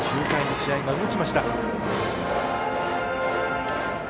９回に試合が動きました。